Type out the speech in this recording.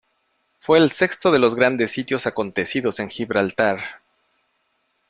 Fue el sexto de los grandes sitios acontecidos en Gibraltar.